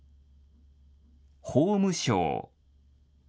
法務省。